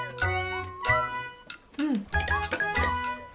うん。